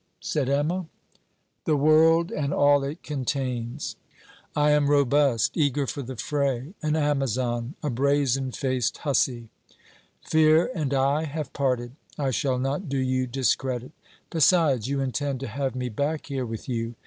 said Emma. 'The world and all it contains! I am robust, eager for the fray, an Amazon, a brazen faced hussy. Fear and I have parted. I shall not do you discredit. Besides you intend to have me back here with you?